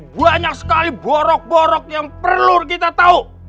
banyak sekali borok borok yang perlu kita tahu